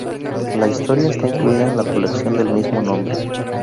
La historia está incluida en la colección del mismo nombre.